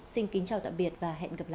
xin kính chào tạm biệt và hẹn gặp lại